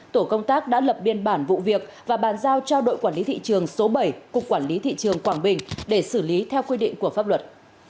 tổ công tác đã lập biên bản vụ việc và bàn giao cho đội quản lý thị trường số bảy cục quản lý thị trường quảng bình để xử lý theo quy định của pháp luật